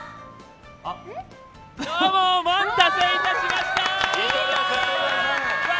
どうもお待たせいたしました！笑